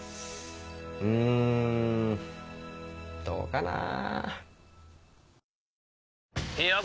うんどうかなぁ。